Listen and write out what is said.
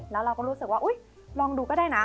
แล้วเราก็รู้สึกว่าอุ๊ยลองดูก็ได้นะ